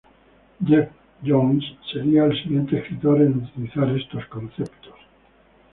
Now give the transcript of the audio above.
Geoff Johns sería el siguiente escritor en utilizar estos conceptos.